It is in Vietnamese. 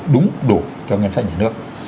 đúng đủ cho ngân sách nhà nước